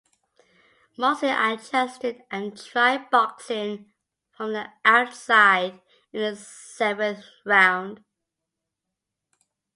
Mosley adjusted and tried boxing from the outside in the seventh round.